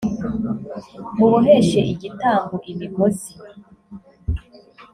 muboheshe igitambo imigozi